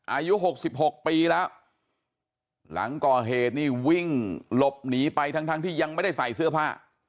อายุ๖๖ปีแล้วหลังก่อเหตุนี่วิ่งหลบหนีไปทั้งทั้งที่ยังไม่ได้ใส่เสื้อผ้า